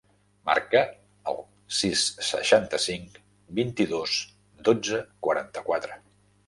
Marca el sis, seixanta-cinc, vint-i-dos, dotze, quaranta-quatre.